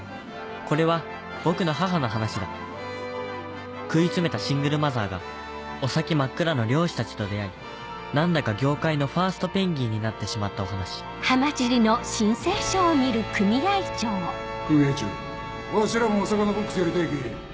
これは僕の母の話だ食い詰めたシングルマザーがお先真っ暗の漁師たちと出会い何だか業界のファーストペンギンになってしまったお話組合長わしらもお魚ボックスやりたいけぇ